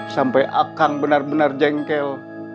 sampai akan benar benar jengkel